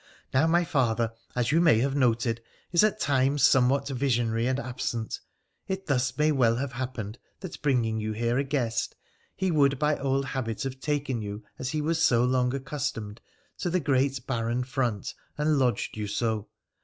Now, my father, as you may have noted, is at times somewhat visionary and absent. It thus may well have happened that, bringing you here a guest, he would by old habit have taken you, as he was so long accustomed, to the great barren front and lodged you so.